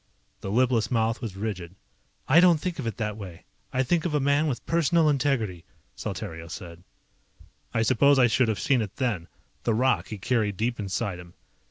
The lipless mouth was rigid. "I don't think of it that way. I think of a man with personal integrity," Saltario said. I suppose I should have seen it then, the rock he carried deep inside him.